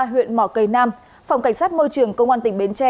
huyện mò cây nam phòng cảnh sát môi trường công an tỉnh bến tre